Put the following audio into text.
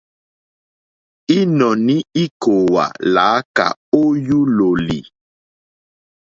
Ínɔ̀ní íkòòwà lǎkà ó yúlòlì.